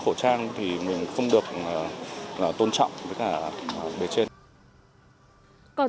thực ra thì mình thì cũng khi mà đi lễ thì mình cũng bỏ cái khẩu trang ra